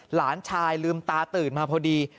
หลานชายลืมตาตื่นมาพอดี